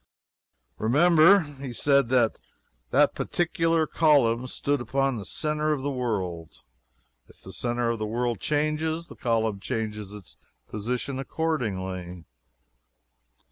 Remember, He said that that particular column stood upon the centre of the world. If the centre of the world changes, the column changes its position accordingly.